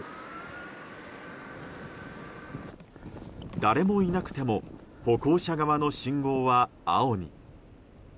誰もいなくても歩行者側の信号は青に。